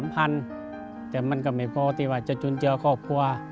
แต่มันก็ไม่พอจะจุดเจอกรอบครัว